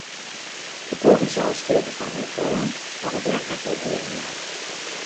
De Provinsjale Steaten fan Noard-Hollân hawwe dêr ek wol earen nei.